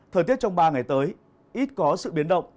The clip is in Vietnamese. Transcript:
thời tiết trong ba ngày tới ít có sự biến động